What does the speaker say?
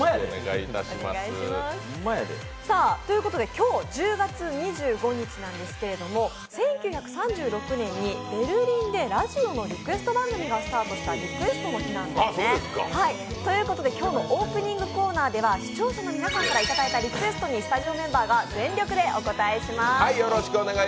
今日１０月２５日なんですけれども、１９３６年にベルリンでラジオのリクエスト番組がスタートしたリクエストの日なんですね。ということで、今日のオープニングコーナーでは視聴者の皆さんからいただいたリクエストにスタジオメンバーが全力でお答えします。